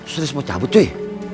sudah mau cabut cuy